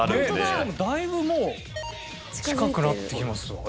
しかもだいぶもう近くなってきてますわ。